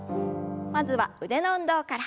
まずは腕の運動から。